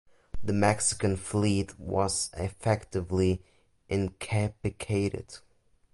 The Mexican Fleet was effectively incapacitated.